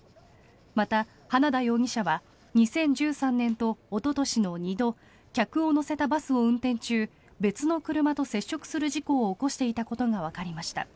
また花田容疑者は２０１３年とおととしの２度客を乗せたバスを運転中別の車と接触する事故を起こしていたことがわかりました。